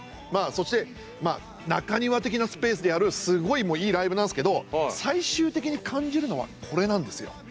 そして中庭的なスペースでやるすごいいいライブなんですけど最終的に感じるのはこれなんですよ。